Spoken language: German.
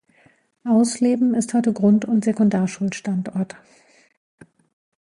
Ausleben ist heute Grund- und Sekundarschul-Standort.